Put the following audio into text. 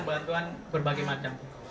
bapak tuan berbagi macam